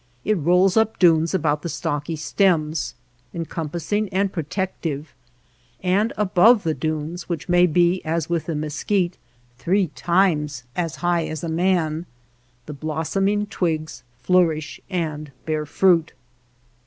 It rolls up dunes about the stocky stems, encompassing and pro tective, and above the dunes, which may be, as with the mesquite, three times as high as a man, the blossoming twigs flour ish and bear fruit.